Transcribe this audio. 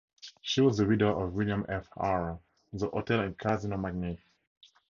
She was the widow of William F. Harrah, the hotel and casino magnate.